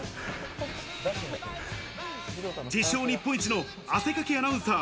自称日本一の汗かきアナウンサー。